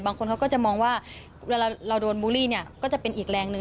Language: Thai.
บางคนเขาก็จะมองว่าเวลาเราโดนบูลลี่เนี่ยก็จะเป็นอีกแรงหนึ่ง